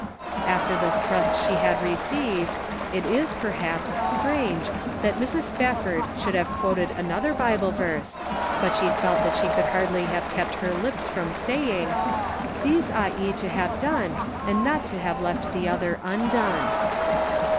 After the thrust she had received, it is, perhaps, strange that Mrs. Spafford should have quoted another Bible verse, but she felt that she could hardly have kept her lips from saying: "These ought ye to have done, and not to have left the other undone."